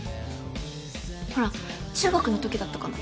ほら中学のときだったかな？